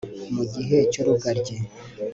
mu gihe cy'urugaryi